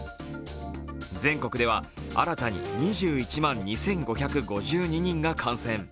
全国では新たに２１万２５５２人が感染。